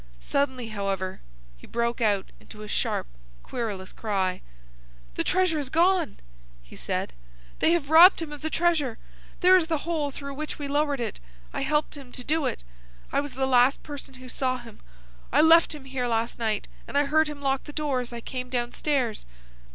Suddenly, however, he broke out into a sharp, querulous cry. "The treasure is gone!" he said. "They have robbed him of the treasure! There is the hole through which we lowered it. I helped him to do it! I was the last person who saw him! I left him here last night, and I heard him lock the door as I came downstairs."